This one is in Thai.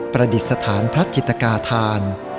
ประดิษฐานพระจิตกาธาน